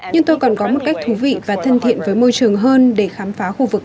nhưng tôi còn có một cách thú vị và thân thiện với môi trường hơn để khám phá khu vực